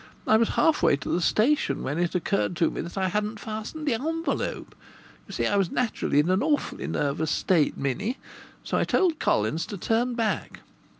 I was half way to the station when it occurred to me that I hadn't fastened the envelope! You see, I was naturally in an awfully nervous state, Minnie. So I told Collins to turn back.